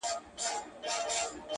هغه به چيري اوسي باران اوري، ژلۍ اوري،